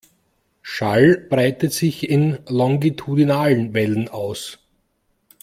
Schall breitet sich in longitudinalen Wellen aus.